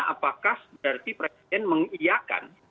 apakah berarti presiden mengiyakan